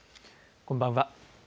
こんばんは。